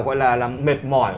gọi là mệt mỏi